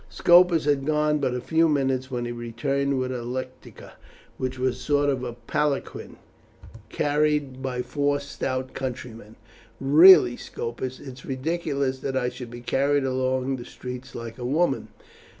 Scopus had gone but a few minutes when he returned with a lectica, which was a sort of palanquin, carried by four stout countrymen. "Really, Scopus, it is ridiculous that I should be carried along the streets like a woman."